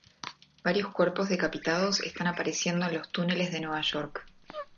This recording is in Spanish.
Varios cuerpos decapitados están apareciendo en los túneles de Nueva York.